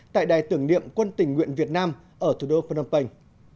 tại đài tưởng niệm quân tình nguyện việt nam ở thủ đô phnom penh